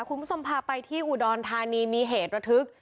คุณผู้ชมพาไปที่อุดรธานีมีเหตุระทึก